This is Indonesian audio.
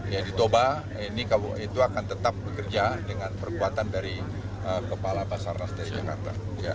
ya di toba itu akan tetap bekerja dengan perkuatan dari kepala basarnas dari jakarta